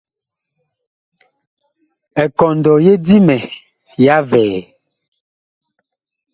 Ekɔndɔ ye Dimɛ ya vɛɛ.